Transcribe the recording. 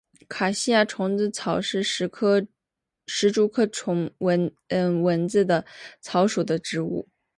卡西亚蝇子草是石竹科蝇子草属的植物。